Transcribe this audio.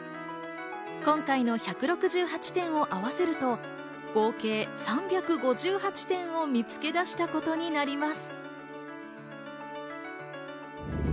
今回の１６８点をあわせると、合計３５８点を見つけ出したことになります。